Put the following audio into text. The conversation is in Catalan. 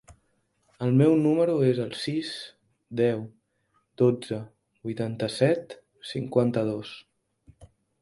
El meu número es el sis, deu, dotze, vuitanta-set, cinquanta-dos.